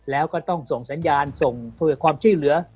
แล้วก็ต้องส่งสัญญาณส่งความชื่อเหลือ